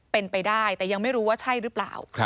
เป็นไปได้แต่ยังไม่รู้ว่าใช่หรือเปล่า